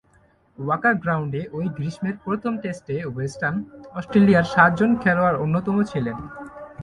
Waka গ্রাউন্ডে ঐ গ্রীষ্মের প্রথম টেস্টে ওয়েস্টার্ন অস্ট্রেলিয়ার সাতজন খেলোয়াড়ের অন্যতম ছিলেন।